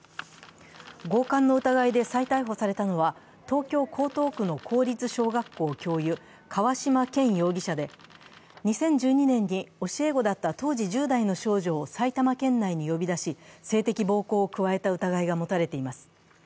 強姦の疑いで再逮捕されたのは東京・江東区の公立小学校教諭、河嶌健容疑者で２０１２年に教え子だった当時１０代の少女を埼玉県内に呼び出し性的暴行を加えた疑いが持たれています。